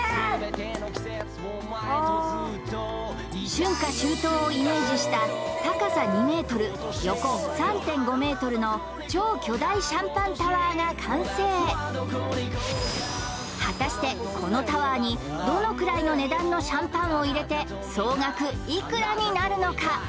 春夏秋冬をイメージした高さ２ｍ横３．５ｍの超巨大シャンパンタワーが完成果たしてこのタワーにどのくらいの値段のシャンパンを入れて総額いくらになるのか？